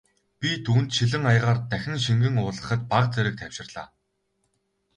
Би түүнд шилэн аягаар дахин шингэн уулгахад бага зэрэг тайвширлаа.